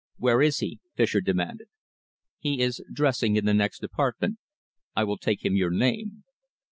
"Where is he?" Fischer demanded. "He is dressing in the next apartment. I will take him your name."